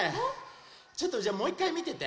ちょっとじゃあもういっかいみてて。